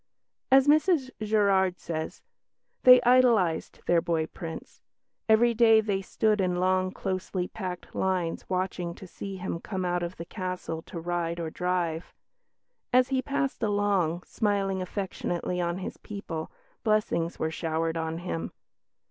As Mrs Gerard says, "They idolised their boy Prince. Every day they stood in long, closely packed lines watching to see him come out of the castle to ride or drive; as he passed along, smiling affectionately on his people, blessings were showered on him.